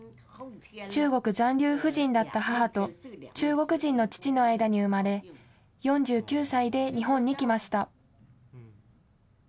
中国残留婦人だった母と、中国人の父の間に生まれ、４９歳で日本に来ました。